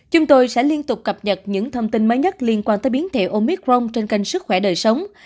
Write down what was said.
chúng tôi sẽ liên tục cập nhật những thông tin mới nhất liên quan tới biến thể omic rong trên kênh sức khỏe đời sống